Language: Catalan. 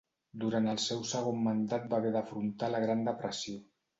Durant el seu segon mandat va haver d'afrontar la Gran Depressió.